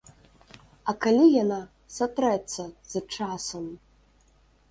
А калі яна сатрэцца з часам?